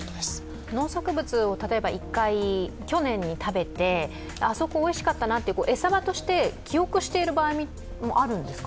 例えば農作物を１回、去年に食べてあそこおいしかったなって餌場として記憶している場合もあるんですか。